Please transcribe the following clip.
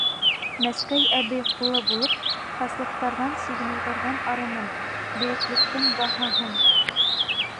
Мәскәй әбей ҡулы булып Хаслыҡтарҙан Сигенеүҙәрҙән арыным, Бөйөклөктөң баһаһын.